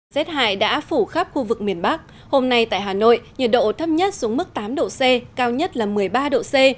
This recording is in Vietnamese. rết hại đã phủ khắp khu vực miền bắc hôm nay tại hà nội nhiệt độ thấp nhất xuống mức tám độ c cao nhất là một mươi ba độ c